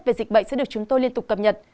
về dịch bệnh sẽ được chúng tôi liên tục cập nhật